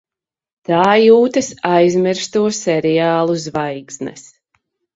Tā jūtas aizmirsto seriālu zvaigznes.